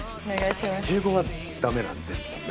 敬語はダメなんですもんね。